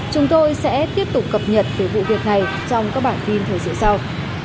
chúng tôi sẽ tiếp tục cập nhật về vụ việc này trong các bản tin thời sự sau